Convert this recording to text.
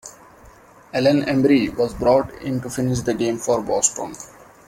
Alan Embree was brought in to finish the game for Boston.